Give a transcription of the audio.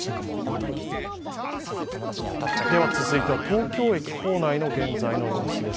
では続いては東京駅構内の現在の様子です。